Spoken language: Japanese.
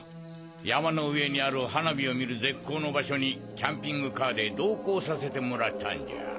山の上にある花火を見る絶好の場所にキャンピングカーで同行させてもらったんじゃ。